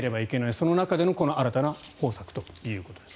その中での新たな方策ということです。